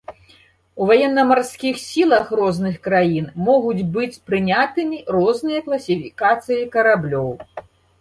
У ваенна-марскіх сілах розных краін могуць быць прынятымі розныя класіфікацыі караблёў.